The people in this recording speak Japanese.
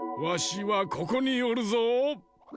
わしはここにおるぞ！